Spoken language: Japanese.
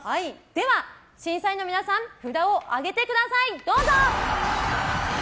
審査員の皆さん札を上げてください。